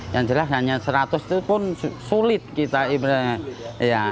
yang jelas hanya seratus itu pun sulit kita imlek